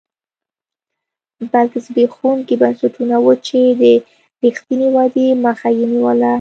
بلکې زبېښونکي بنسټونه وو چې د رښتینې ودې مخه یې نیوله